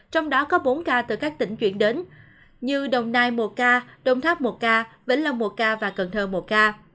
trong đó có bốn ca từ các tỉnh chuyển đến như đồng nai một ca đồng tháp một ca vĩnh long một ca và cần thơ một ca